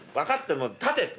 もう立てって。